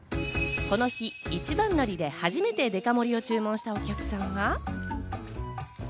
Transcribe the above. この日一番乗りで初めてデカ盛りを注文したお客さんは。